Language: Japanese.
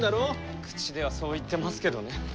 口ではそう言ってますけどね。